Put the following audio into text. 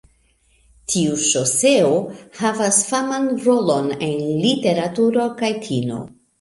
Tiu ŝoseo havas faman rolon en literaturo kaj kino.